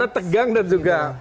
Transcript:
karena tegang dan juga